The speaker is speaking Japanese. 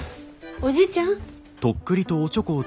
おじいちゃん。